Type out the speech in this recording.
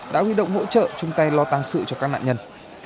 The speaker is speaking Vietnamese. đã huy động hỗ trợ chung tay lo tăng sự cho các nạn nhân